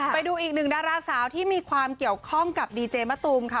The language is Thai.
ไปดูอีกหนึ่งดาราสาวที่มีความเกี่ยวข้องกับดีเจมะตูมค่ะ